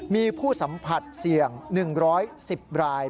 มีผู้สัมผัสเสี่ยง๑๑๐ราย